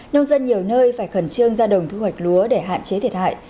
nông dân nhiều nơi phải khẩn trương ra đồng thu hoạch lúa để hạn chế thiệt hại